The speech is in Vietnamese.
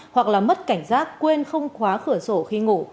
hoặc là mất cảnh giác quên không khóa cửa sổ khi ngủ